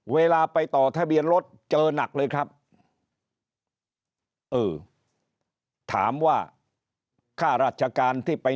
เวลาไปต่อทะเบียนรถเจอหนักเลยครับเออถามว่าค่าราชการที่ไป